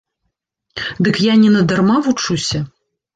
Дык я не на дарма вучуся.